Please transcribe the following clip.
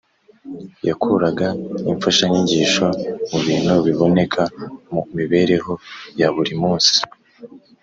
yakuraga imfashanyigisho mu bintu biboneka mu mibereho ya buri munsi